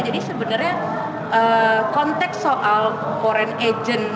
jadi sebenarnya konteks soal foreign agent